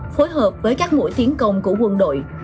phối hợp với các mũi tiến công của quân đội